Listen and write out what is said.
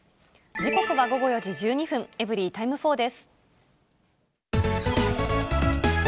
時刻は午後４時１２分、エブリィタイム４です。